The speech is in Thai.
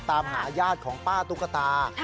ตามหาญาติของป้าตุ๊กตา